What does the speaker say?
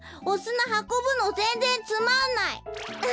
おすなはこぶのぜんぜんつまんない。